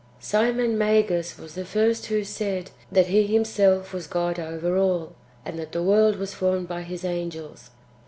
Simon Magus was the first who said that he himself was God over all, and that the world was formed by his angels.